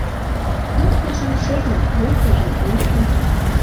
Иктыжым — шемым, весыжым — ошым.